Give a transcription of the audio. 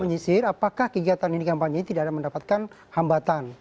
menyisir apakah kegiatan ini kampanye tidak ada mendapatkan hambatan